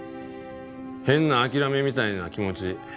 変な諦めみたいな気持ち。